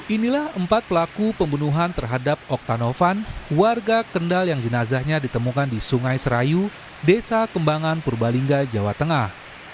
inilah empat pelaku pembunuhan terhadap oktanovan warga kendal yang jenazahnya ditemukan di sungai serayu desa kembangan purbalingga jawa tengah